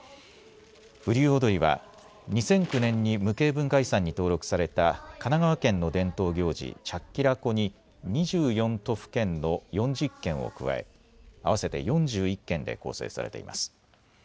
風流踊は２００９年に無形文化遺産に登録された神奈川県の伝統行事、チャッキラコに２４都府県の４０件を加え、合わせて４１件で構成されています。